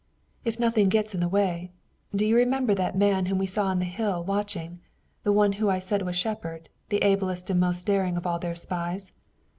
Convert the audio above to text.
"If nothing gets in the way. Do you remember that man whom we saw on the hill watching, the one who I said was Shepard, the ablest and most daring of all their spies?"